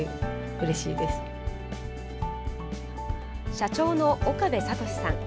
社長の岡部聡史さん。